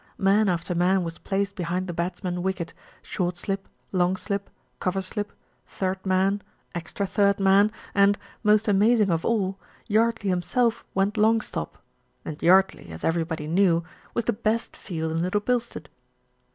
Man after man was placed behind the batsman's wicket, short slip, long slip, cover slip, third man, extra third man and, most amazing of all, Yardley himself went long stop, and Yardley, as everybody knew, was the best field in Little Bilstead.